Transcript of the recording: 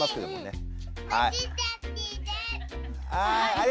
はい。